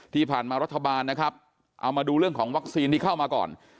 ที่ผ่านมารัฐบาลนะครับเอามาดูเรื่องของวัคซีนที่เข้ามาก่อน